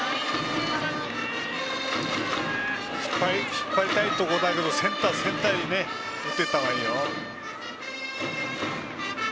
引っ張りたいところだけどセンター、センターへと打っていったほうがいいよ。